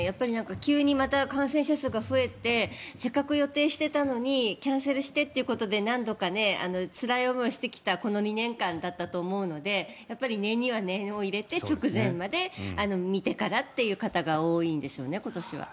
急に感染者数が増えてせっかく予定していたのにキャンセルしてってことで何度かつらい思いをしてきたこの２年間だったと思うのでやっぱり念には念を入れて直前まで見てからという方が多いんでしょうね、今年は。